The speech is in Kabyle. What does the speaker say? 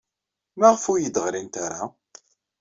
Maɣef ur iyi-d-ɣrint ara?